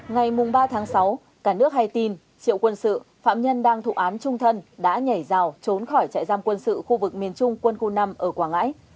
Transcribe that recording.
ngày ba sáu cả nước hay tin triệu quân sự phạm nhân đang thụ án trung thân đã nhảy rào trốn khỏi trại giam quân sự khu vực miền trung quân khu năm ở quảng ngãi